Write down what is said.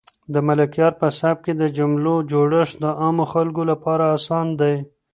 د ملکیار په سبک کې د جملو جوړښت د عامو خلکو لپاره اسان دی.